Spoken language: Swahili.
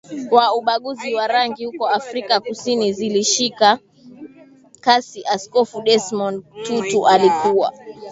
wa ubaguzi wa rangi huko Afrika Kusini zili shika kasi Askofu Desmond Tutu alikuwa